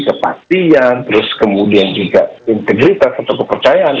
kepastian terus kemudian juga integritas atau kepercayaan